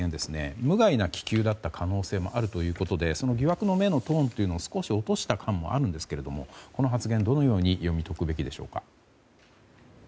無害な気球だった可能性もあるということで疑惑の目のトーンを少し落とした感もあるんですけどこの発言、どのように読み解くべきでしょうか。